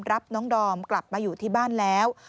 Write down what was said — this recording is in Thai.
รับน้องดอมกลับมาอยู่ที่บ้านแล้ว